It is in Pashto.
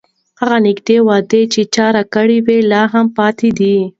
هغه نږدې وعده چې چا راکړې وه، لا هم پاتې ده.